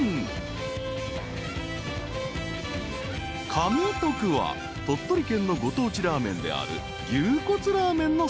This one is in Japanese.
［香味徳は鳥取県のご当地ラーメンである牛骨ラーメンの専門店］